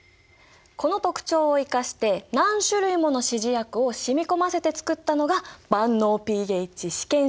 この特徴を生かして何種類もの指示薬をしみこませて作ったのが万能ｐＨ試験紙なんだよ。